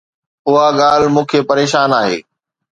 اها ڳالهه مون کي پريشان آهي.